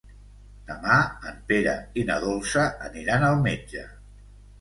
Demà en Pere i na Dolça aniran al metge.